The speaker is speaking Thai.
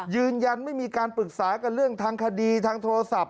ยืนยันไม่มีการปรึกษากันเรื่องทางคดีทางโทรศัพท์